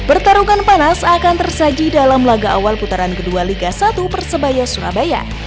pertarungan panas akan tersaji dalam laga awal putaran kedua liga satu persebaya surabaya